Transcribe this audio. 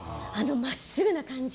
真っすぐな感じ。